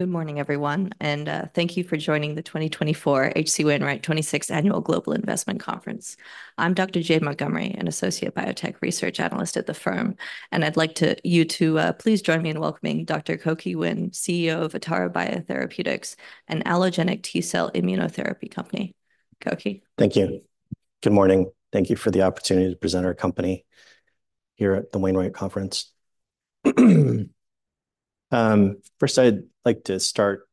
Good morning, everyone, and, thank you for joining the 2024 H.C. Wainwright 26th Annual Global Investment Conference. I'm Dr. Jade Montgomery, an associate biotech research analyst at the firm, and I'd like you to please join me in welcoming Dr. Cokey Nguyen, CEO of Atara Biotherapeutics, an allogeneic T-cell immunotherapy company. Cokey? Thank you. Good morning. Thank you for the opportunity to present our company here at the Wainwright Conference. First, I'd like to start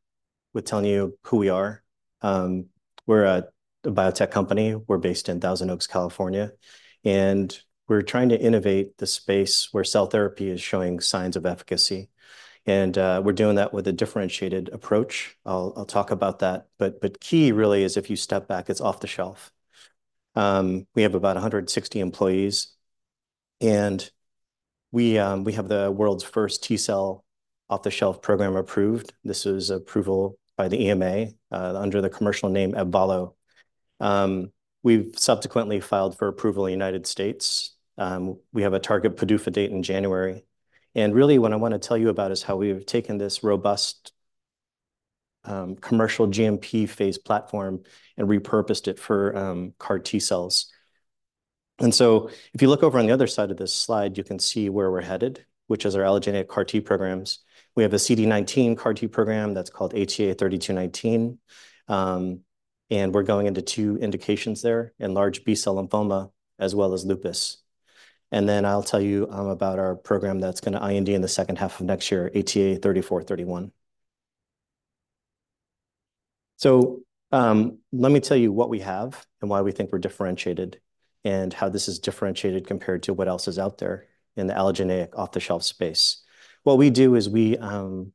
with telling you who we are. We're a biotech company. We're based in Thousand Oaks, California, and we're trying to innovate the space where cell therapy is showing signs of efficacy. And we're doing that with a differentiated approach. I'll talk about that, but key really is if you step back, it's off-the-shelf. We have about 160 employees, and we have the world's first T-cell off-the-shelf program approved. This is approval by the EMA under the commercial name Ebvallo. We've subsequently filed for approval in the United States. We have a target PDUFA date in January, and really, what I wanna tell you about is how we've taken this robust, commercial GMP phase platform and repurposed it for CAR T-cells, and so if you look over on the other side of this slide, you can see where we're headed, which is our allogeneic CAR-T programs. We have a CD19 CAR-T program that's called ATA3219, and we're going into two indications there, in large B-cell lymphoma as well as lupus, and then I'll tell you about our program that's gonna IND in the second half of next year, ATA3431, so let me tell you what we have and why we think we're differentiated and how this is differentiated compared to what else is out there in the allogeneic off-the-shelf space. What we do is we, from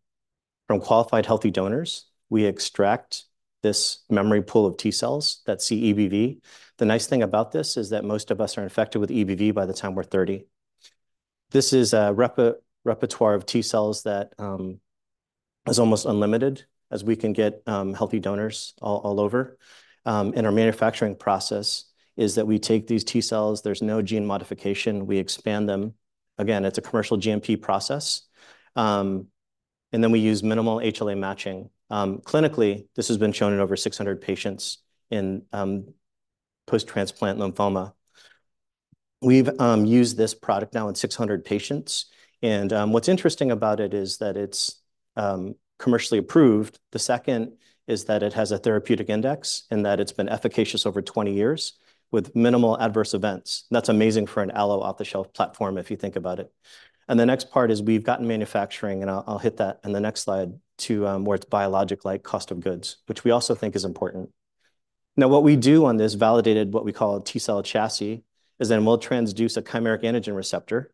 qualified healthy donors, we extract this memory pool of T-cells that see EBV. The nice thing about this is that most of us are infected with EBV by the time we're 30. This is a repertoire of T-cells that is almost unlimited, as we can get healthy donors all over. And our manufacturing process is that we take these T-cells, there's no gene modification, we expand them. Again, it's a commercial GMP process. And then we use minimal HLA matching. Clinically, this has been shown in over 600 patients in post-transplant lymphoma. We've used this product now in 600 patients, and what's interesting about it is that it's commercially approved. The second is that it has a therapeutic index, and that it's been efficacious over twenty years with minimal adverse events. That's amazing for an allo off-the-shelf platform, if you think about it. And the next part is we've gotten manufacturing, and I'll hit that in the next slide, to more its biologic-like cost of goods, which we also think is important. Now, what we do on this validated, what we call a T-cell chassis, is then we'll transduce a chimeric antigen receptor,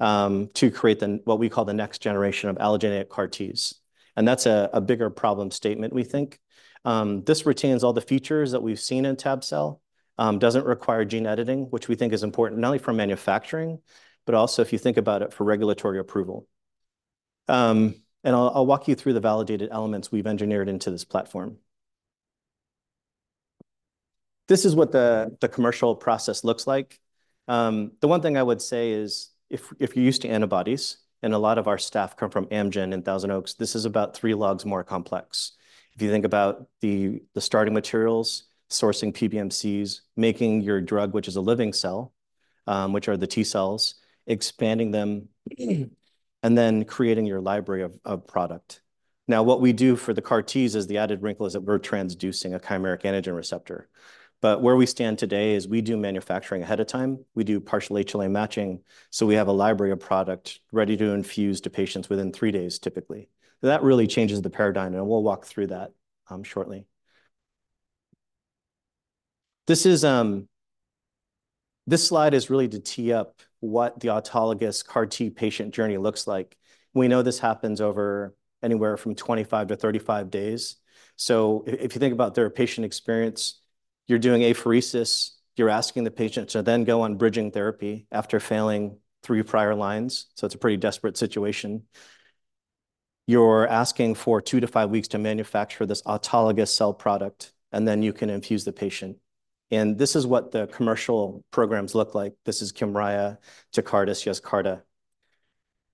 to create the, what we call the next generation of allogeneic CAR-Ts, and that's a bigger problem statement, we think. This retains all the features that we've seen in Tab-cel. Doesn't require gene editing, which we think is important, not only for manufacturing, but also, if you think about it, for regulatory approval. And I'll walk you through the validated elements we've engineered into this platform. This is what the commercial process looks like. The one thing I would say is if you're used to antibodies, and a lot of our staff come from Amgen in Thousand Oaks, this is about three logs more complex. If you think about the starting materials, sourcing PBMCs, making your drug, which is a living cell, which are the T-cells, expanding them, and then creating your library of product. Now, what we do for the CAR-Ts is the added wrinkle is that we're transducing a chimeric antigen receptor. But where we stand today is we do manufacturing ahead of time. We do partial HLA matching, so we have a library of product ready to infuse to patients within three days, typically. So that really changes the paradigm, and we'll walk through that, shortly. This is... This slide is really to tee up what the autologous CAR-T patient journey looks like. We know this happens over anywhere from 25-35 days. So if you think about their patient experience, you're doing apheresis, you're asking the patient to then go on bridging therapy after failing three prior lines, so it's a pretty desperate situation. You're asking for two to five weeks to manufacture this autologous cell product, and then you can infuse the patient. And this is what the commercial programs look like. This is Kymriah, Tecartus, Yescarta.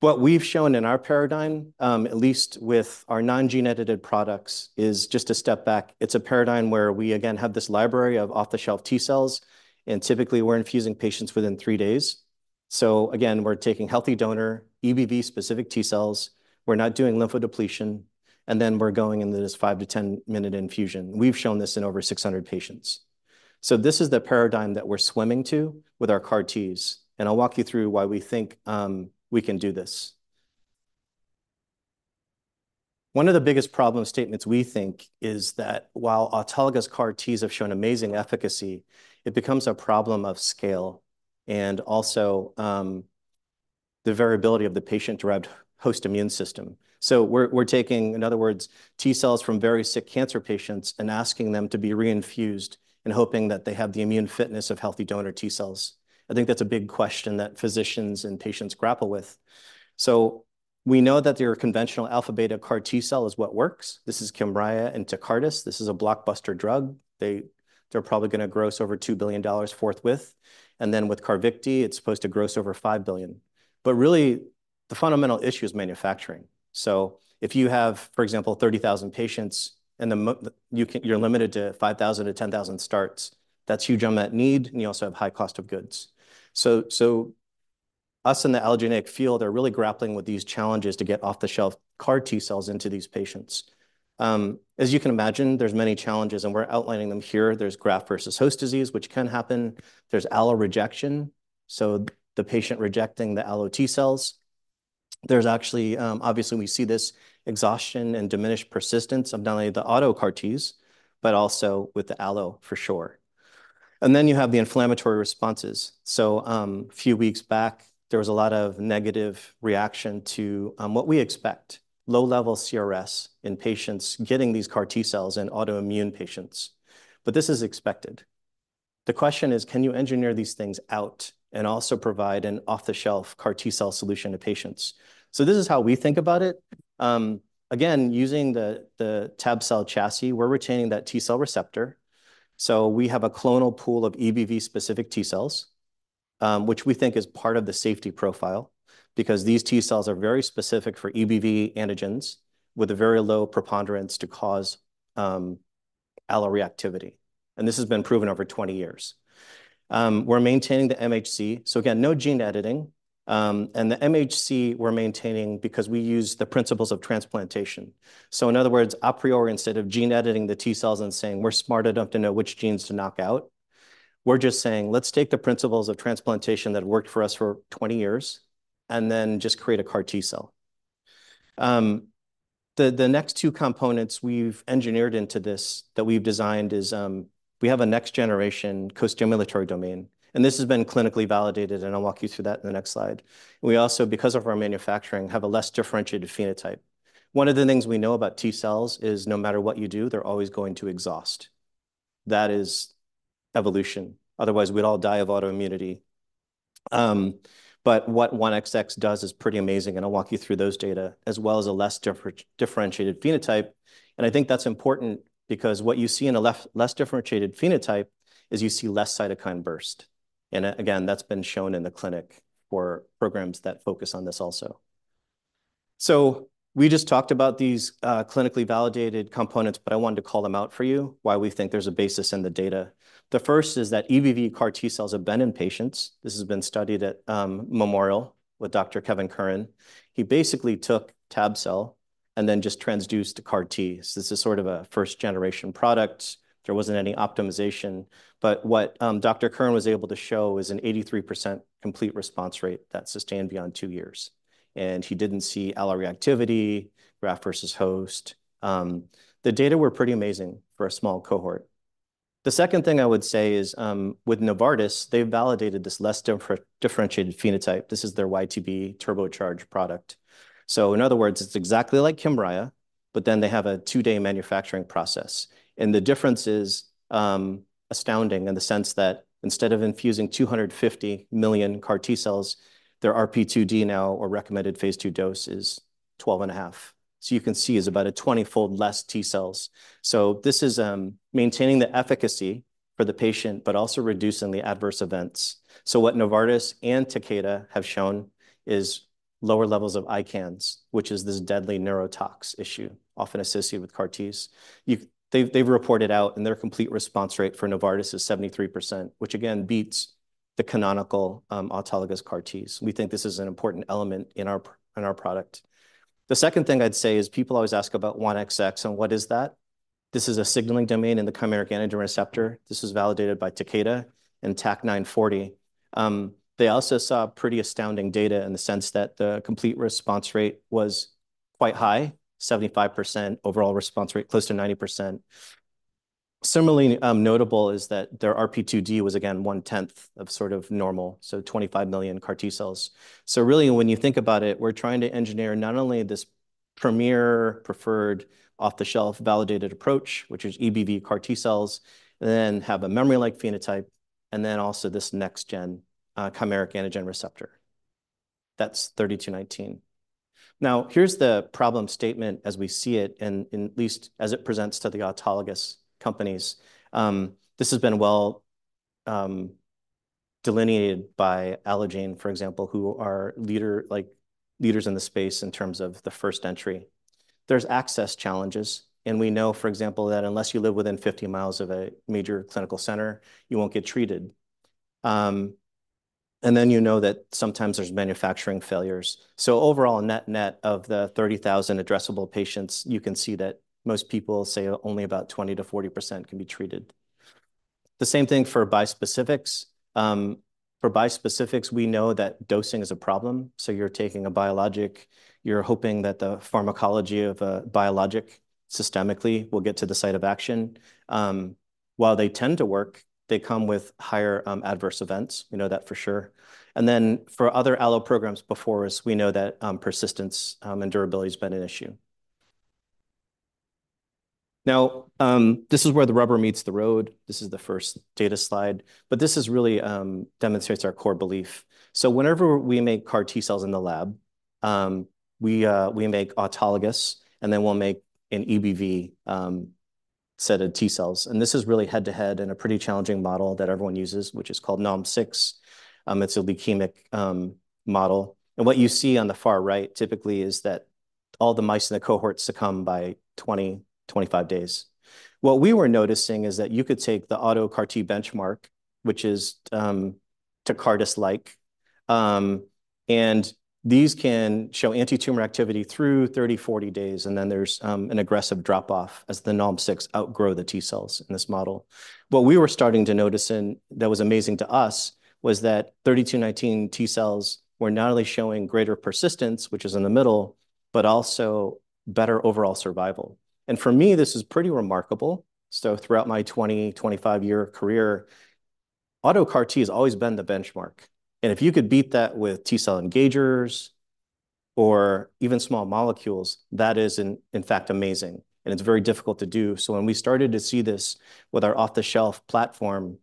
What we've shown in our paradigm, at least with our non-gene-edited products, is just a step back. It's a paradigm where we, again, have this library of off-the-shelf T cells, and typically, we're infusing patients within three days. So again, we're taking healthy donor, EBV-specific T cells, we're not doing lymphodepletion, and then we're going in this five-to-ten-minute infusion. We've shown this in over 600 patients. So this is the paradigm that we're swimming to with our CAR-Ts, and I'll walk you through why we think we can do this. One of the biggest problem statements, we think, is that while autologous CAR-Ts have shown amazing efficacy, it becomes a problem of scale and also the variability of the patient-derived host immune system. So we're taking, in other words, T-cells from very sick cancer patients and asking them to be reinfused and hoping that they have the immune fitness of healthy donor T-cells. I think that's a big question that physicians and patients grapple with. So we know that your conventional alpha/beta CAR-T cell is what works. This is Kymriah and Tecartus. This is a blockbuster drug. They, they're probably gonna gross over $2 billion forthwith, and then with Carvykti, it's supposed to gross over $5 billion. But really, the fundamental issue is manufacturing. So if you have, for example, 30,000 patients, and you can, you're limited to 5,000-10,000 starts, that's huge unmet need, and you also have high cost of goods. So, so us in the allogeneic field are really grappling with these challenges to get off-the-shelf CAR T- cells into these patients. As you can imagine, there's many challenges, and we're outlining them here. There's graft versus host disease, which can happen. There's allorejection, so the patient rejecting the allo T cells. There's actually, obviously, we see this exhaustion and diminished persistence of not only the auto CAR Ts, but also with the allo, for sure. You have the inflammatory responses. A few weeks back, there was a lot of negative reaction to what we expect, low-level CRS in patients getting these CAR T-cells in autoimmune patients. But this is expected. The question is: Can you engineer these things out and also provide an off-the-shelf CAR T-cell solution to patients? This is how we think about it. Again, using the tab-cel chassis, we're retaining that T-cell receptor. We have a clonal pool of EBV-specific T cells, which we think is part of the safety profile because these T cells are very specific for EBV antigens with a very low preponderance to cause alloreactivity, and this has been proven over twenty years. We're maintaining the MHC, so again, no gene editing. The MHC we're maintaining because we use the principles of transplantation. In other words, a priori, instead of gene editing the T cells and saying, "We're smart enough to know which genes to knock out," we're just saying, "Let's take the principles of transplantation that worked for us for 20 years and then just create a CAR T-cell." The next two components we've engineered into this, that we've designed is, we have a next generation costimulatory domain, and this has been clinically validated, and I'll walk you through that in the next slide. We also, because of our manufacturing, have a less differentiated phenotype. One of the things we know about T cells is, no matter what you do, they're always going to exhaust. That is evolution. Otherwise, we'd all die of autoimmunity. But what 1XX does is pretty amazing, and I'll walk you through those data, as well as a less differentiated phenotype, and I think that's important because what you see in a less differentiated phenotype is you see less cytokine burst. And again, that's been shown in the clinic for programs that focus on this also. So we just talked about these clinically validated components, but I wanted to call them out for you, why we think there's a basis in the data. The first is that EBV CAR T-cells have been in patients. This has been studied at Memorial with Dr. Kevin Curran. He basically took tab-cel and then just transduced the CAR T. So this is sort of a first-generation product. There wasn't any optimization, but what Dr. Curran was able to show an 83% complete response rate that sustained beyond two years, and he didn't see alloreactivity, graft versus host. The data were pretty amazing for a small cohort. The second thing I would say is, with Novartis, they've validated this less differentiated phenotype. This is their YTB turbocharged product. So in other words, it's exactly like Kymriah, but then they have a two-day manufacturing process. And the difference is, astounding in the sense that instead of infusing 250 million CAR T-cells, their RP2D now, or recommended phase II dose, is 12.5. So you can see it's about a 20-fold less T cells. So this is, maintaining the efficacy for the patient, but also reducing the adverse events. So what Novartis and Takeda have shown is lower levels of ICANS, which is this deadly neurotoxicity issue often associated with CAR Ts. They've reported out, and their complete response rate for Novartis is 73%, which again, beats the canonical autologous CAR Ts. We think this is an important element in our product. The second thing I'd say is people always ask about 1XX, and what is that? This is a signaling domain in the chimeric antigen receptor. This was validated by Takeda and TAK-940. They also saw pretty astounding data in the sense that the complete response rate was quite high, 75% overall response rate, close to 90%. Similarly, notable is that their RP2D was, again, one-tenth of sort of normal, so 25 million CAR T-cells. So really, when you think about it, we're trying to engineer not only this premier, preferred, off-the-shelf, validated approach, which is EBV CAR T-cells, and then have a memory-like phenotype, and then also this next gen chimeric antigen receptor. That's 3219. Now, here's the problem statement as we see it, and at least as it presents to the autologous companies. This has been well delineated by Allogene, for example, who are leader, like, leaders in the space in terms of the first entry. There's access challenges, and we know, for example, that unless you live within 50 miles of a major clinical center, you won't get treated, and then you know that sometimes there's manufacturing failures. So overall, net net of the 30,000 addressable patients, you can see that most people say only about 20%-40% can be treated. The same thing for bispecifics. For bispecifics, we know that dosing is a problem. So you're taking a biologic. You're hoping that the pharmacology of a biologic systemically will get to the site of action. While they tend to work, they come with higher adverse events. We know that for sure, and then, for other allo programs before us, we know that persistence and durability has been an issue. Now, this is where the rubber meets the road. This is the first data slide, but this is really demonstrates our core belief, so whenever we make CAR T-cells in the lab, we make autologous, and then we'll make an EBV set of T cells, and this is really head-to-head in a pretty challenging model that everyone uses, which is called Nalm-6. It's a leukemic model, and what you see on the far right typically is that all the mice in the cohort succumb by 20-25 days. What we were noticing is that you could take the auto CAR T benchmark, which is Tecartus-like. And these can show anti-tumor activity through 30-40 days, and then there's an aggressive drop-off as the Nalm-6 outgrow the T cells in this model. What we were starting to notice, and that was amazing to us, was that ATA3219 T cells were not only showing greater persistence, which is in the middle, but also better overall survival. And for me, this is pretty remarkable. So throughout my 20-25-year career, auto CAR T has always been the benchmark. And if you could beat that with T cell engagers or even small molecules, that is in fact amazing, and it's very difficult to do. So when we started to see this with our off-the-shelf platform,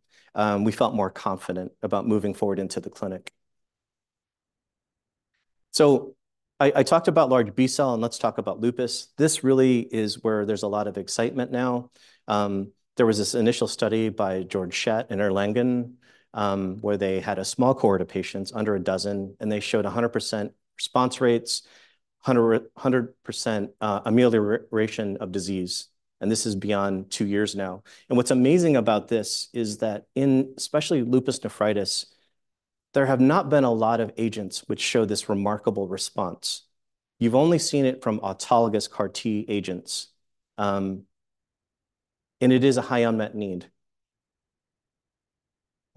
we felt more confident about moving forward into the clinic. So I talked about large B-cell, and let's talk about lupus. This really is where there's a lot of excitement now. There was this initial study by Georg Schett in Erlangen, where they had a small cohort of patients, under a dozen, and they showed 100% response rates, 100% amelioration of disease, and this is beyond two years now. And what's amazing about this is that in especially lupus nephritis, there have not been a lot of agents which show this remarkable response. You've only seen it from autologous CAR T agents, and it is a high unmet need.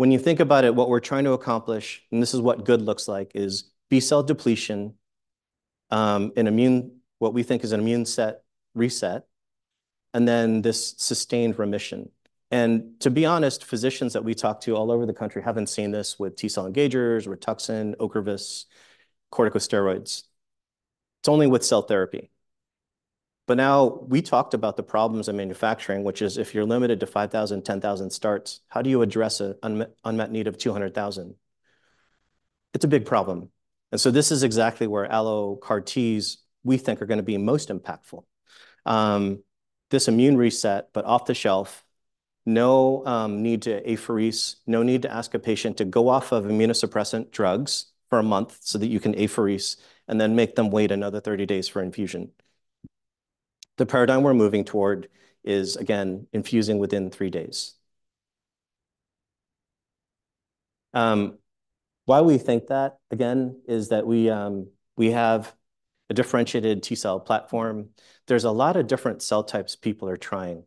When you think about it, what we're trying to accomplish, and this is what good looks like, is B-cell depletion, what we think is an immune reset, and then this sustained remission. And to be honest, physicians that we talk to all over the country haven't seen this with T-cell engagers, Rituxan, Ocrevus, corticosteroids. It's only with cell therapy. But now, we talked about the problems in manufacturing, which is if you're limited to 5,000, 10,000 starts, how do you address an unmet need of 200,000? It's a big problem. And so this is exactly where allo CAR Ts, we think, are going to be most impactful. This immune reset, but off-the-shelf, no need to apheresis, no need to ask a patient to go off of immunosuppressant drugs for a month so that you can apheresis and then make them wait another thirty days for infusion. The paradigm we're moving toward is, again, infusing within three days. Why we think that, again, is that we have a differentiated T-cell platform. There's a lot of different cell types people are trying.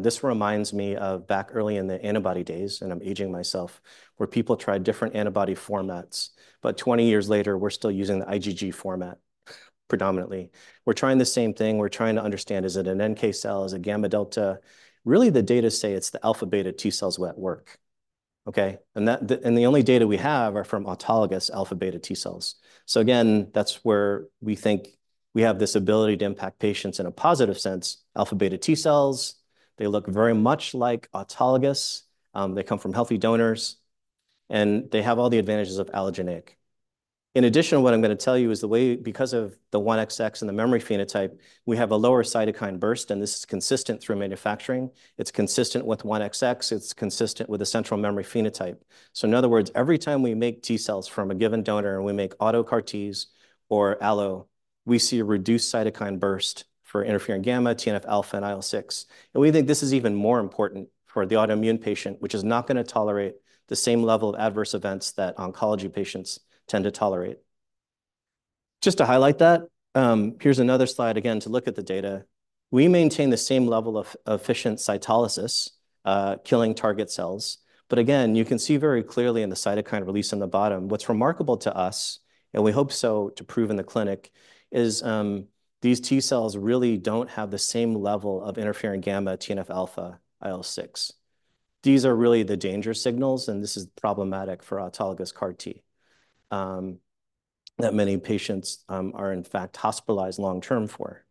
This reminds me of back early in the antibody days, and I'm aging myself, where people tried different antibody formats, but 20 years later, we're still using the IgG format predominantly. We're trying the same thing. We're trying to understand, is it an NK cell? Is it gamma delta? Really, the data say it's the alpha-beta T-cells that work, okay? The only data we have are from autologous alpha-beta T-cells. Again, that's where we think we have this ability to impact patients in a positive sense. Alpha-beta T-cells, they look very much like autologous. They come from healthy donors, and they have all the advantages of allogeneic. In addition, what I'm going to tell you is the way because of the 1XX and the memory phenotype, we have a lower cytokine burst, and this is consistent through manufacturing. It's consistent with 1XX. It's consistent with the central memory phenotype. In other words, every time we make T cells from a given donor, and we make auto CAR Ts or allo, we see a reduced cytokine burst for interferon-gamma, TNF alpha, and IL-6. We think this is even more important for the autoimmune patient, which is not going to tolerate the same level of adverse events that oncology patients tend to tolerate. Just to highlight that, here's another slide again to look at the data. We maintain the same level of efficient cytolysis, killing target cells. But again, you can see very clearly in the cytokine release on the bottom, what's remarkable to us, and we hope so to prove in the clinic, is these T cells really don't have the same level of interferon-gamma, TNF-alpha, IL-6. These are really the danger signals, and this is problematic for autologous CAR T that many patients are in fact hospitalized long term for.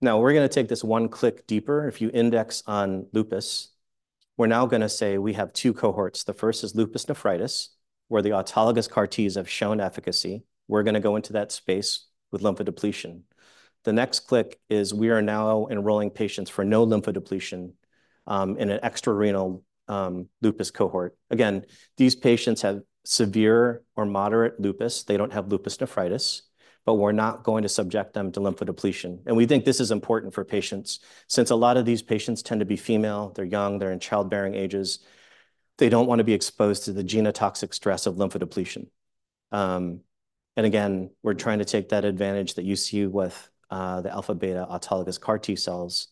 Now, we're going to take this one click deeper. If you index on lupus, we're now going to say we have two cohorts. The first is lupus nephritis, where the autologous CAR Ts have shown efficacy. We're going to go into that space with lymphodepletion. The next click is we are now enrolling patients for no lymphodepletion, in an extrarenal, lupus cohort. Again, these patients have severe or moderate lupus. They don't have lupus nephritis, but we're not going to subject them to lymphodepletion, and we think this is important for patients, since a lot of these patients tend to be female, they're young, they're in childbearing ages. They don't want to be exposed to the genotoxic stress of lymphodepletion, and again, we're trying to take that advantage that you see with, the alpha/beta autologous CAR T-cells,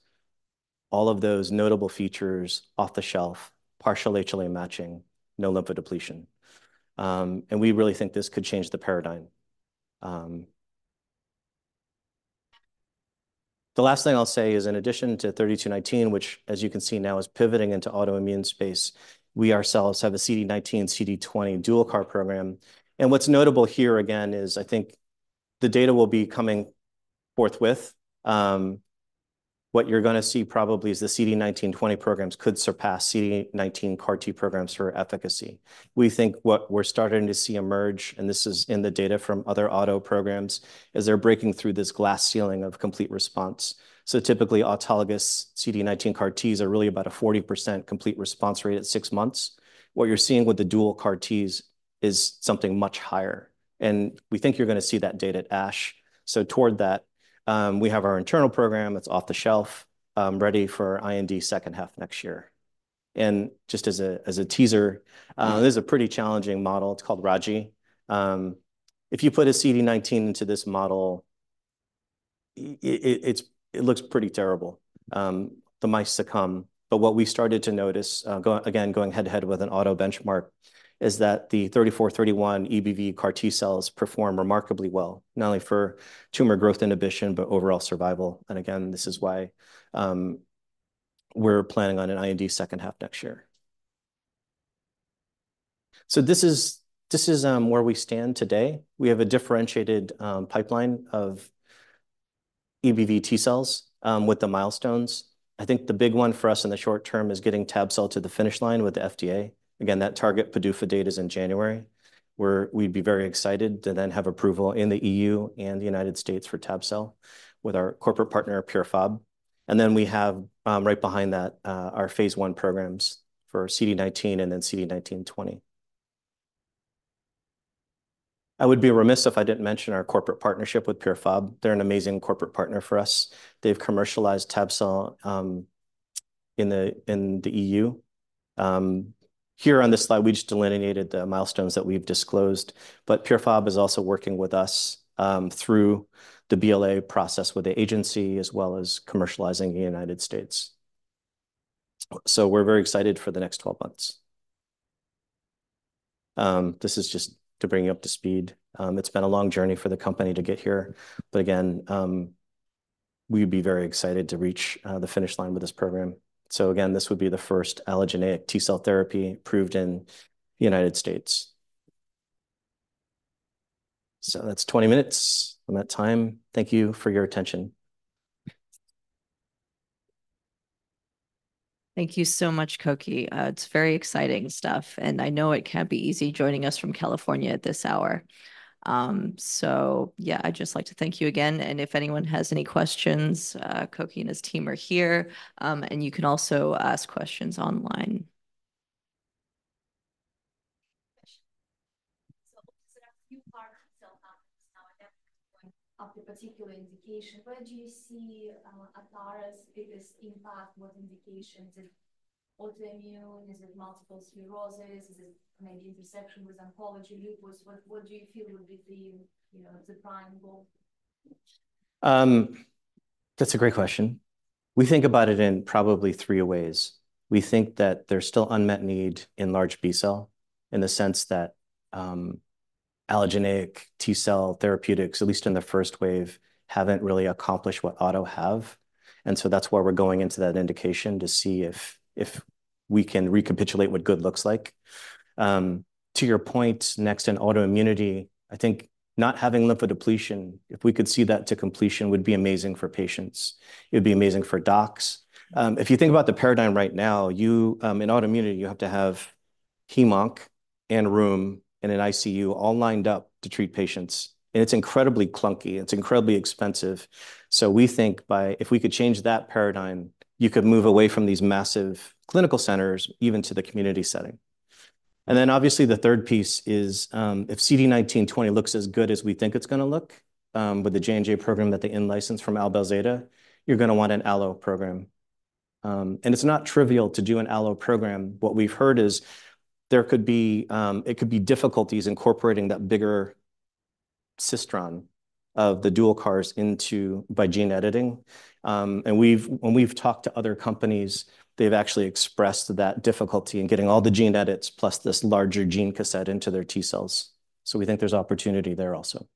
all of those notable features off the shelf, partially HLA matching, no lymphodepletion, and we really think this could change the paradigm. The last thing I'll say is, in addition to ATA3219, which, as you can see now, is pivoting into autoimmune space, we ourselves have a CD19/CD20 dual CAR program, and what's notable here, again, is I think the data will be coming forthwith. What you're going to see probably is the CD19-20 programs could surpass CD19 CAR T programs for efficacy. We think what we're starting to see emerge, and this is in the data from other auto programs, is they're breaking through this glass ceiling of complete response. Typically, autologous CD19 CAR Ts are really about a 40% complete response rate at six months. What you're seeing with the dual CAR Ts is something much higher, and we think you're going to see that data at ASH. Toward that, we have our internal program. It's off the shelf, ready for IND second half next year. Just as a teaser, this is a pretty challenging model. It's called Raji. If you put a CD19 into this model, it looks pretty terrible. The mice succumb. But what we started to notice, again, going head-to-head with an autologous benchmark, is that the 3431 EBV CAR T-cells perform remarkably well, not only for tumor growth inhibition, but overall survival. Again, this is why we're planning on an IND second half next year. This is where we stand today. We have a differentiated pipeline of EBV T cells with the milestones. I think the big one for us in the short term is getting tab-cel to the finish line with the FDA. Again, that target PDUFA date is in January, where we'd be very excited to then have approval in the EU and the United States for tab-cel with our corporate partner, Pierre Fabre. Then we have right behind that our phase I programs for CD19 and then CD19/20. I would be remiss if I didn't mention our corporate partnership with Pierre Fabre. They're an amazing corporate partner for us. They've commercialized tab-cel in the EU. Here on this slide, we just delineated the milestones that we've disclosed. Pierre Fabre is also working with us through the BLA process with the agency, as well as commercializing in the United States. So we're very excited for the next 12 months. This is just to bring you up to speed. It's been a long journey for the company to get here, but again, we'd be very excited to reach the finish line with this program. So again, this would be the first allogeneic T-cell therapy approved in the United States. So that's 20 minutes on that time. Thank you for your attention. Thank you so much, Cokey. It's very exciting stuff, and I know it can't be easy joining us from California at this hour, so yeah, I'd just like to thank you again, and if anyone has any questions, Cokey and his team are here, and you can also ask questions online. So there are a few parts of the cell therapy for the particular indication. Where do you see Atara's biggest impact? What indication? Is it autoimmune? Is it multiple sclerosis? Is it maybe intersection with oncology, lupus? What do you feel would be the, you know, the prime goal? That's a great question. We think about it in probably three ways. We think that there's still unmet need in large B-cell, in the sense that, allogeneic T-cell therapeutics, at least in the first wave, haven't really accomplished what auto have. And so that's why we're going into that indication, to see if we can recapitulate what good looks like. To your point, next, in autoimmunity, I think not having lymphodepletion, if we could see that to completion, would be amazing for patients. It would be amazing for docs. If you think about the paradigm right now, you, in autoimmunity, you have to have hemonc and rheum and an ICU all lined up to treat patients, and it's incredibly clunky, and it's incredibly expensive. So we think if we could change that paradigm, you could move away from these massive clinical centers, even to the community setting. And then, obviously, the third piece is if CD19/20 looks as good as we think it's going to look with the J&J program that they in-licensed from AbelZeta, you're going to want an allo program. And it's not trivial to do an allo program. What we've heard is there could be, it could be difficulties incorporating that bigger cistron of the dual CARs into by gene editing. And when we've talked to other companies, they've actually expressed that difficulty in getting all the gene edits plus this larger gene cassette into their T cells. So we think there's opportunity there also.